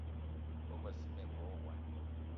Bogb-assi me ve wo wine.